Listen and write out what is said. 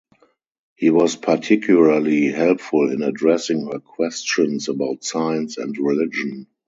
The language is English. He was particularly helpful in addressing her questions about science and religion.